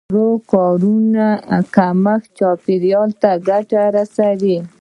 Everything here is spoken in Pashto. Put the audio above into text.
د سکرو د کارونې کمښت چاپېریال ته ګټه رسوي.